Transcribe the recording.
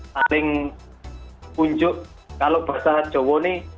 saling punjuk kalau bahasa jowo ini